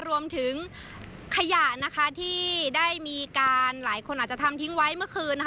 รวมถึงขยะนะคะที่ได้มีการหลายคนอาจจะทำทิ้งไว้เมื่อคืนนะคะ